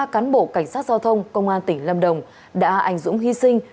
ba cán bộ cảnh sát giao thông công an tỉnh lâm đồng đã ảnh dũng hy sinh